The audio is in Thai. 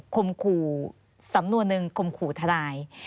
คมขู่สำนวนหนึ่งคมขู่ทนาย